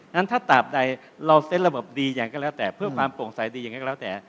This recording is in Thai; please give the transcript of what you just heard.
งั้นถ้าตามใดเราเซ็นต์ระบบดีอย่างก็แล้วแต่เพื่อความโปร่งใสดียังไงก็แล้วแต่